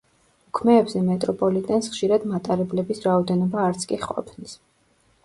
უქმეებზე მეტროპოლიტენს ხშირად მატარებლების რაოდენობა არც კი ყოფნის.